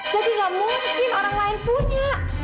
gak mungkin orang lain punya